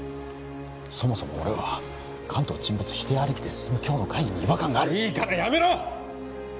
そもそも俺は関東沈没否定ありきで進む今日の会議に違和感があるいいからやめろ！